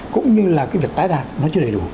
cũng như là cái việc tái đàn nó chưa đầy đủ